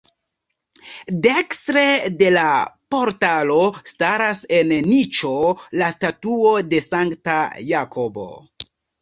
Dekstre de la portalo staras en niĉo la statuo de Sankta Jakobo.